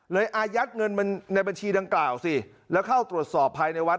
อายัดเงินในบัญชีดังกล่าวสิแล้วเข้าตรวจสอบภายในวัด